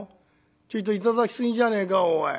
ちょいと頂きすぎじゃねえかおい。